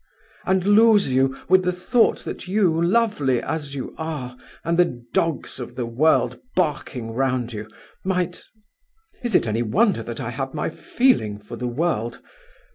"And lose you, with the thought that you, lovely as you are, and the dogs of the world barking round you, might ... Is it any wonder that I have my feeling for the world?